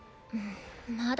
まだ。